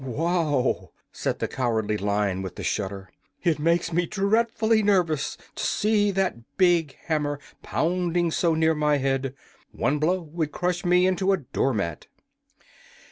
"Wow!" said the Cowardly Lion, with a shudder. "It makes me dreadfully nervous to see that big hammer pounding so near my head. One blow would crush me into a door mat."